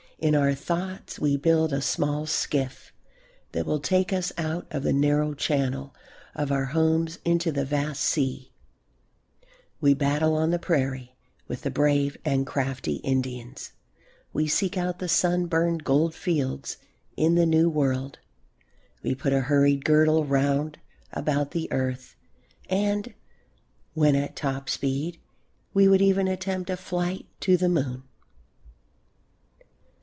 In our thoughts we build a small skiff that will take us out of the narrow channel of our homes into the vast sea; we battle on the prairie with the brave and crafty Indians; we seek out the sun burned gold fields in the new world; we put a hurried girdle round about the earth, and when at top speed we would even attempt a flight to the moon.